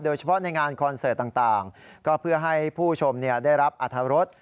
โดยเฉพาะในงานคอนเซิร์ตต่างก็เพื่อให้ผู้ชมได้รับอธารส